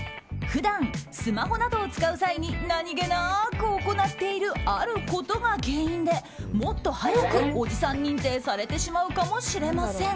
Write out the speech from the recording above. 普段、スマホなどを使う際に何気なく行っているあることが原因で、もっと早くおじさん認定されてしまうかもしれません。